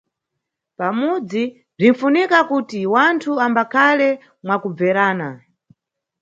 Pamudzi, bzinʼfunika kuti wanthu ambakhale mwakubverana.